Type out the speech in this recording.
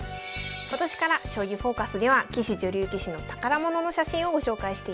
今年から「将棋フォーカス」では棋士女流棋士の宝物の写真をご紹介しています。